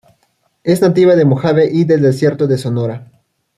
Es nativa de Mojave y del Desierto de Sonora.